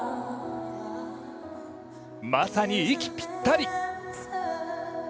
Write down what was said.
まさに息ぴったり。